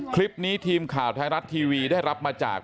คลิปนี้ทีมข่าวไทยรัฐทีวีได้รับมาจาก